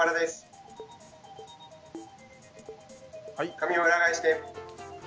紙を裏返して。